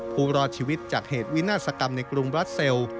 ผู้รอดชีวิตจากเหตุวินาศกรรมในกรุงบราเซล